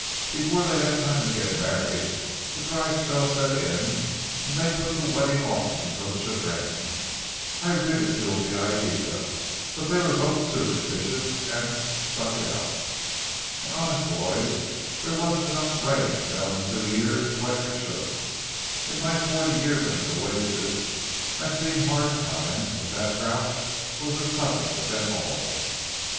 Before they had time to get married, the dry spell set in and they put the wedding off until it should rain. I ridiculed the idea, but they were both superstitious and stuck it out. And honest, boys, there wasn't enough rain fell in two years to wet your shirt. In my forty years on the Nueces, I've seen hard times, but that drouth was the toughest of them all.